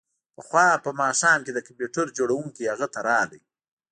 پخوا په ماښام کې د کمپیوټر جوړونکی هغه ته راغی